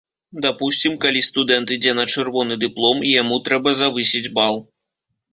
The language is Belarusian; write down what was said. Дапусцім, калі студэнт ідзе на чырвоны дыплом і яму трэба завысіць бал.